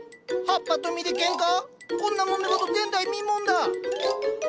こんなもめ事前代未聞だ！